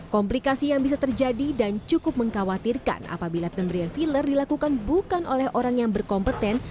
komplikasi yang bisa terjadi dan cukup mengkhawatirkan apabila pemberian filler dilakukan bukan oleh orang yang berkompeten